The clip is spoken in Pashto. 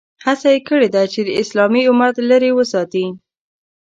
هڅه یې کړې ده چې اسلامي امت لرې وساتي.